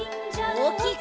おおきく！